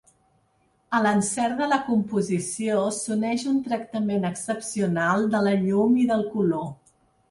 A l'encert de la composició, s'uneix un tractament excepcional de la llum i del color.